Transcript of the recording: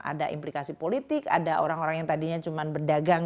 ada implikasi politik ada orang orang yang tadinya cuma berdagang